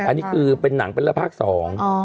อันนี้คือหนังแล้วภาพสอง